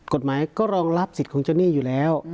กฎหมายก็รองรับสิทธิ์ของเจ้าหนี้อยู่แล้ว